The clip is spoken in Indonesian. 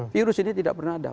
virus ini tidak pernah ada